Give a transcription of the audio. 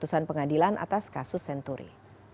putusan pengadilan atas kasus senturi